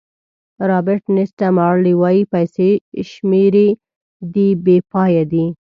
رابرټ نیسټه مارلې وایي پیسې شمېرې دي بې پایه دي.